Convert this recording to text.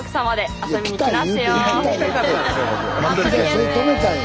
それ止めたんや。